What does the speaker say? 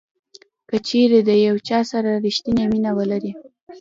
کچیرې د یو چا سره ریښتینې مینه ولرئ.